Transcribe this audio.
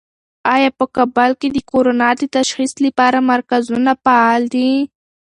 آیا په کابل کې د کرونا د تشخیص لپاره مرکزونه فعال دي؟